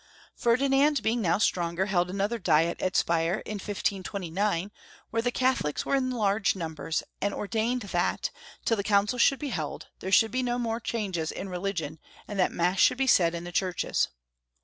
Ferdinand being now stronger, held another diet at Speier, in 1529, where the Catholics were in the larger numbers, and ordained that, till the council should be held, there should be no more changes in religion, and that Mass should be said in the churches.